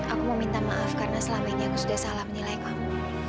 aku meminta maaf karena selama ini aku sudah salah menilai kamu